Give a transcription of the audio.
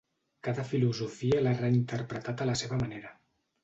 Cada filosofia l'ha reinterpretat a la seva manera.